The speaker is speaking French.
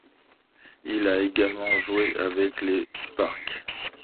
Il a également joué avec les Sparks.